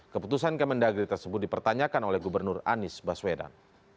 keputusan kemendagri tersebut dipertanyakan oleh gubernur anies baswedan